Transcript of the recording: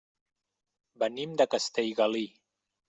Venim de Castellgalí.